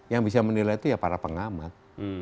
yang bisa menilai itu ya para pengamat